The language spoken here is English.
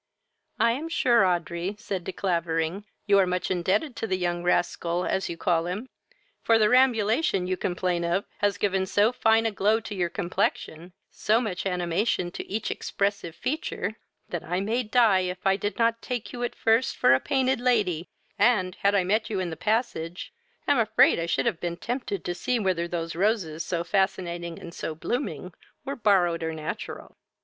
"I am sure, Audrey, (said De Clavering,) you are much indebted to the young rascal, as you call him; for the rambulation you complain of has given so fine a glow to your complexion, so much animation to each expressive feature, that may I die if I did not take you at first for a painted lady, and, had I met you in the passage, am afraid I should have been tempted to see whether those roses so fascinating and so blooming were borrowed or natural."